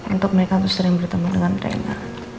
untuk mereka terus sering bertemu dengan rena